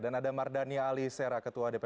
dan ada mardhani ali seara ketua dpp